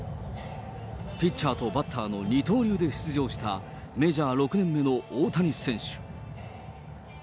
ピッチャーとバッターの二刀流で出場したメジャー６年目の大谷選手。